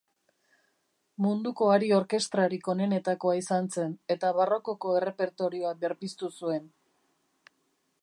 Munduko hari-orkestrarik onenetakoa izan zen, eta barrokoko errepertorioa berpiztu zuen.